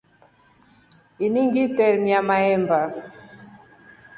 Ini ngitremia mahemba.